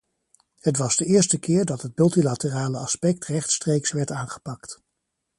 Het was de eerste keer dat het multilaterale aspect rechtstreeks werd aangepakt.